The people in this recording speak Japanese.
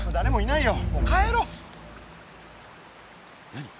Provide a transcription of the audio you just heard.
何？